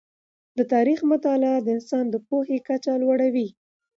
د تاریخ مطالعه د انسان د پوهې کچه لوړوي.